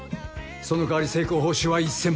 その代わり成功報酬は１，０００万。